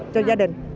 cho gia đình